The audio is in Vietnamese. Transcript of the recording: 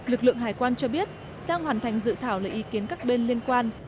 lực lượng hải quan cho biết đang hoàn thành dự thảo lời ý kiến các bên liên quan